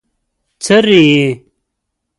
څري يې؟